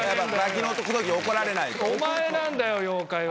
お前なんだよ妖怪は。